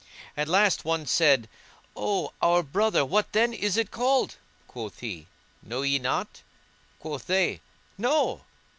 At last one said, "O our brother, what, then, is it called?" Quoth he, "Know ye not?" Quoth they, "No!"